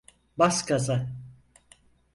Bas gaza!